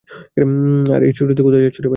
আর এই ছুটিতে কোথায় যাচ্ছো?